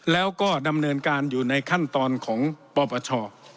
แล้วก็ดำเนินการอยู่ในขั้นตอนของปปช